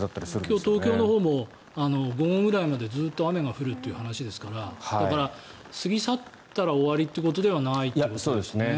今日、東京のほうも午後くらいまでずっと雨が降るという話ですからだから、過ぎ去ったら終わりっていうことではないということですね。